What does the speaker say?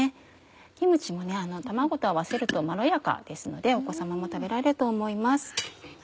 キムチも卵と合わせるとまろやかですのでお子様も食べられると思います。